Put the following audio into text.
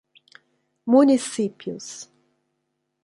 Municípios